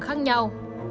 trong đấy này